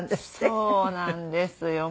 そうなんですよ。